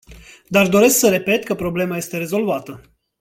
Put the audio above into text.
Dar doresc să repet că problema este rezolvată.